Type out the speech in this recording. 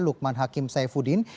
lukman hakim saifuddin